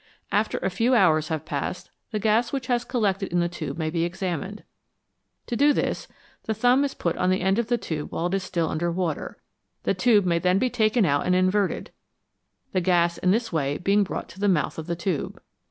After a few hours have passed the gas which has collected in the tube may be examined. To do this, the thumb is put on the end of the tube while it is still under water, the tube may then be taken out and inverted, the gas in this way being brought to the mouth of the tube.